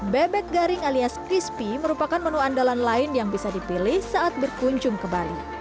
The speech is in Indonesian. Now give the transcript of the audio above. bebek garing alias crispy merupakan menu andalan lain yang bisa dipilih saat berkunjung ke bali